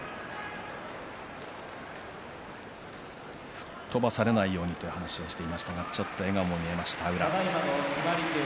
吹っ飛ばされないようにという話をしていましたがちょっと笑顔も見えました。